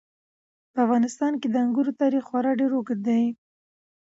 په افغانستان کې د انګورو تاریخ خورا اوږد دی.